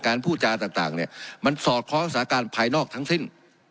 การพูดจารังต่างเนี้ยมันสอดคว้องประสบการณ์ภายนอกทั้งสิ้น